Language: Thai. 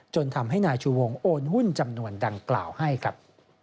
ทำให้นายชูวงโอนหุ้นจำนวนดังกล่าวให้ครับ